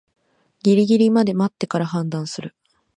ギリギリまで待ってから判断する